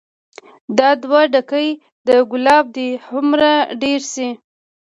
دا دوه ډکي د ګلاب دې هومره ډير شي